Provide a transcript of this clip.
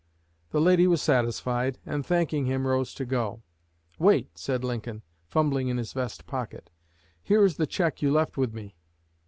The lady was satisfied, and, thanking him, rose to go. "Wait," said Lincoln, fumbling in his vest pocket; "here is the check you left with me."